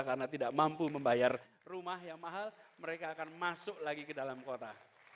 karena tidak mampu membayar rumah yang mahal mereka akan masuk lagi ke dalam kota